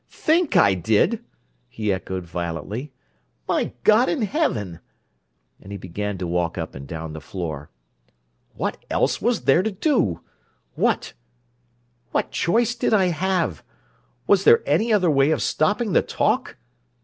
"Think I did!" he echoed violently. "My God in heaven!" And he began to walk up and down the floor. "What else was there to do? What, choice did I have? Was there any other way of stopping the talk?"